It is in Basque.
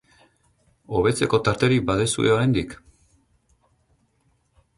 Hobetzeko tarterik baduzue oraindik?